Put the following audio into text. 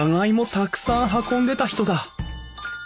たくさん運んでた人だ！